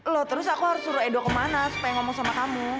loh terus aku harus suruh edo kemana supaya ngomong sama kamu